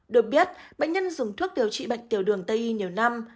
được biết bệnh nhân dùng thuốc điều trị bệnh tiểu đường tây y nhiều năm